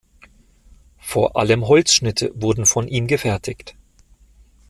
Vor allem Holzschnitte wurden von ihm gefertigt.